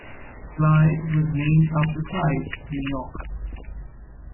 Clyde was named after Clyde, New York.